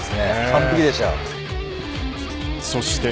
完璧でした。